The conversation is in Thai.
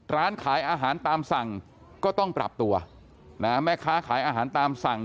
ร้านขายอาหารตามสั่งก็ต้องปรับตัวนะฮะแม่ค้าขายอาหารตามสั่ง